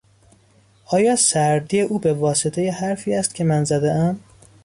آیا سردی او به واسطهی حرفی است که من زدهام؟